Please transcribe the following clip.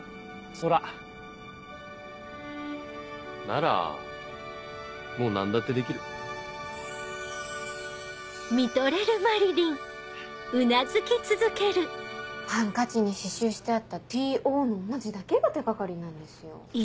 空ならもう何だってできるハンカチに刺繍してあったＴ・Ｏの文字だけが手掛かりなんですよ。